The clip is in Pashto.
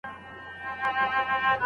آیا صداقت تر فریب ارزښتناک دی؟